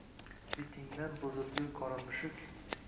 Betingdan buzilgur qora mushuk